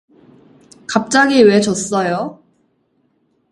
갑자기 왜 줬어요?